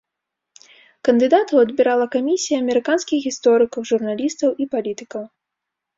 Кандыдатаў адбірала камісія амерыканскіх гісторыкаў, журналістаў і палітыкаў.